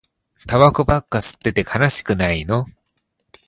タバコばっか吸ってて悲しくないの